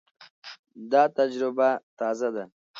دا تجربه تازه ده.